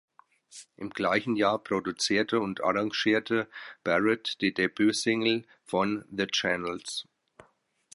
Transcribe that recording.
Im gleichen Jahr produzierte und arrangierte Barrett die Debüt-Single von "The Channels".